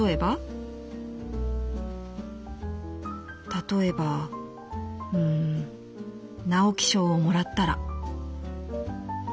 「たとえばうーん直木賞をもらったら」。